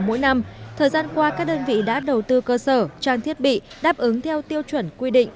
mỗi năm thời gian qua các đơn vị đã đầu tư cơ sở trang thiết bị đáp ứng theo tiêu chuẩn quy định